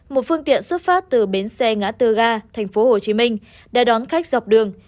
một phương tiện xuất phát từ bến xe ngã tư ga tp hcm đã đón khách dọc đường